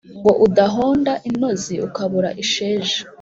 Ngo udahonda intozi ukabura isheja